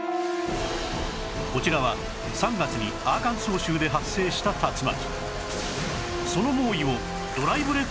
こちらは３月にアーカンソー州で発生した竜巻